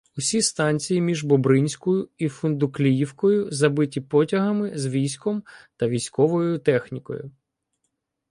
Усі станції між Бобринською і Фундукліївкою забиті потягами з військом та військовою технікою.